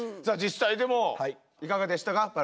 さあ実際でもいかがでしたか？